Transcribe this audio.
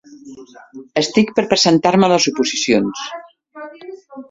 Estic per presentar-me a les oposicions.